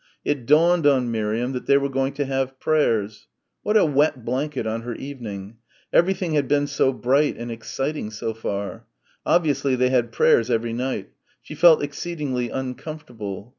It dawned on Miriam that they were going to have prayers. What a wet blanket on her evening. Everything had been so bright and exciting so far. Obviously they had prayers every night. She felt exceedingly uncomfortable.